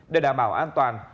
để đảm bảo an toàn